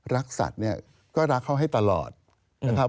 รักสัตว์เนี่ยก็รักเขาให้ตลอดนะครับ